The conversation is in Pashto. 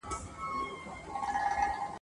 د لېوه داړو ته ځان مي وو سپارلی !.